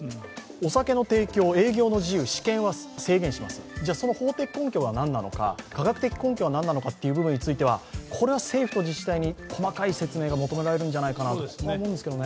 お酒の提供、営業の自由、私権は制限します、じゃあ、その法的根拠、科学的根拠が何なのかという部分についてはこれは政府と自治体に細かい説明が求められるんじゃないかと思いますけどね。